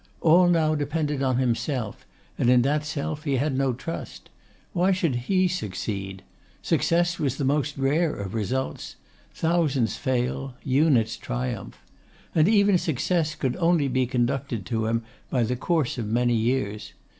All now depended on himself, and in that self he had no trust. Why should he succeed? Success was the most rare of results. Thousands fail; units triumph. And even success could only be conducted to him by the course of many years.